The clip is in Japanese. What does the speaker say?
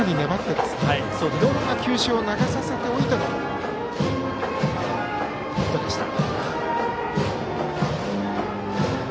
いろんな球種投げさせておいてのヒットでした。